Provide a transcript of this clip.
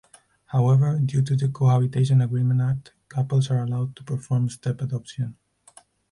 However, due to the Cohabitation Agreement Act, couples are allowed to perform step-adoption.